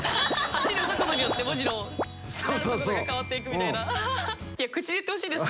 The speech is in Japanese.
走る速度によって文字のなる速度が変わっていくみたいな。